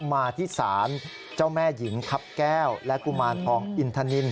มาที่ศาลเจ้าแม่หญิงทัพแก้วและกุมารทองอินทนิน